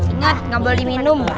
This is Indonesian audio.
ingat nggak boleh diminum